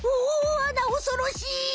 あなおそろしい！